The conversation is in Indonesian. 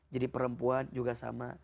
jadi perempuan juga sama